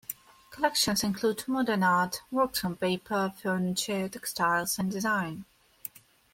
Collections include modern art, works on paper, furniture, textiles and design.